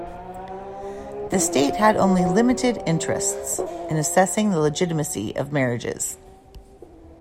The state had only limited interests in assessing the legitimacy of marriages.